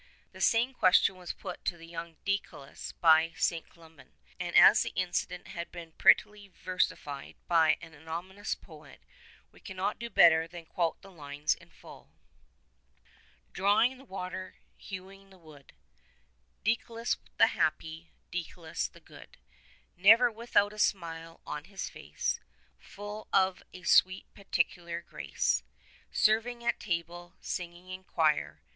The same question was put to the young Deicolus by St. Columban; and as the incident has been prettily versified by an anony mous poet, we cannot do better than quote the lines in full :— Drawing the water, hewing the wood, Deicolus the happy, Deicolus the good; Never without a smile on his face. Full of a sweet peculiar grace. Serving at table, singing in quire.